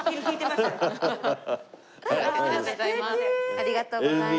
ありがとうございます。